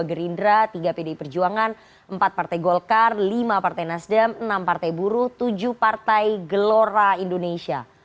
gerindra tiga pdi perjuangan empat partai golkar lima partai nasdem enam partai buruh tujuh partai gelora indonesia